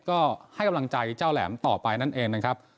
ก็ให้กำลังใจเจ้าแหลมต่อไปนั่นเองนะครับ